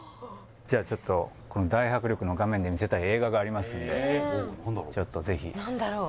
じゃあちょっとこの大迫力の画面で見せたい映画がありますんでちょっとぜひ何だろう？